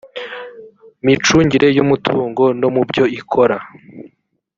micungire y umutungo no mu byo ikora